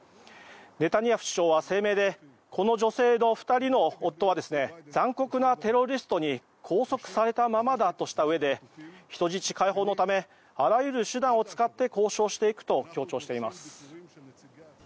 ネタニヤフ首相は声明でこの女性２人の夫は残酷なテロリストに拘束されたままだとしたうえで人質解放のためあらゆる手段を使って交渉していくと強調しています。